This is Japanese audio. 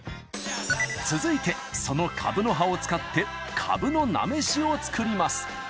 続いてそのカブの葉を使ってカブの菜飯を作ります。